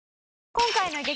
今回の激